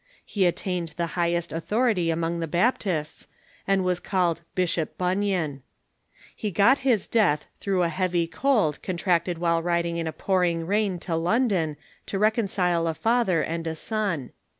He attained the high est authority among the Baptists, and was called Bishop Bun yan. He got his death through a heavy cold contracted while riding in a pouring rain to London to reconcile a father and a son.